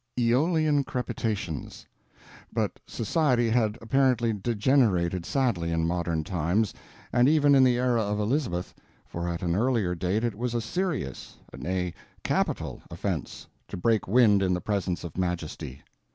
AEOLIAN CREPITATIONS But society had apparently degenerated sadly in modern times, and even in the era of Elizabeth, for at an earlier date it was a serious nay, capital offense to break wind in the presence of majesty.